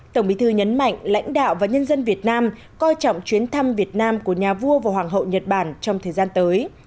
tổng bí thư nhấn mạnh lãnh đạo và nhân dân việt nam coi trọng chuyến thăm việt nam của nhà vua và hoàng hậu nhật bản trong thời gian tới